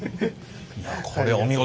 いやこれはお見事。